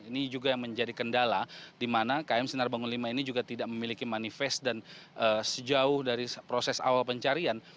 ini juga yang menjadi kendala di mana km sinar bangun v ini juga tidak memiliki manifest dan sejauh dari proses awal pencarian